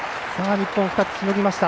日本、２つしのぎました。